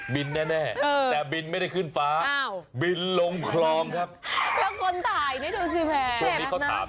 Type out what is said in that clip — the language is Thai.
บินแน่แต่บินไม่ได้ขึ้นฟ้าบินลงครองครับ